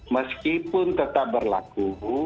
meskipun tetap berlaku